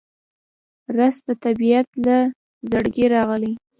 رس د طبیعت له زړګي راغلی